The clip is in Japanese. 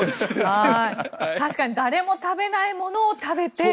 確かに誰も食べないものを食べて。